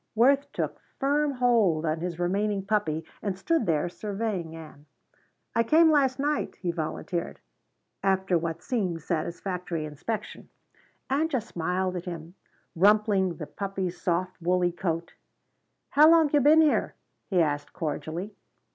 Worth took firm hold on his remaining puppy and stood there surveying Ann. "I came last night," he volunteered, after what seemed satisfactory inspection. Ann just smiled at him, rumpling the puppy's soft woolly coat. "How long you been here?" he asked cordially.